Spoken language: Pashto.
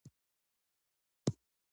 زه شیدې پرته له بوره څښم.